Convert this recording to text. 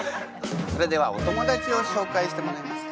それではお友達を紹介してもらえますか？